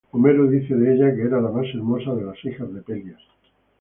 Homero dice de ella que era la más hermosa de las hijas de Pelias.